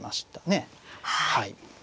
はい。